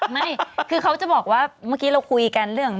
ไม่คือเขาจะบอกว่าเมื่อกี้เราคุยกันเรื่อง